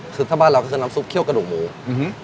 คือถ้าบ้านเราก็คือน้ำซุปเคี่ยวกระดูกหมูอืม